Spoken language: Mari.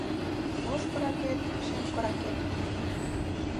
Ош коракет, шем коракет